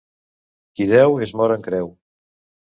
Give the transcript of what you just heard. Qui deu es mor en creu.